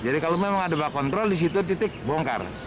kalau memang ada bak kontrol di situ titik bongkar